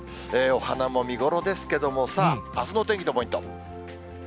お花も見頃ですけれども、さあ、あすのお天気のポイント。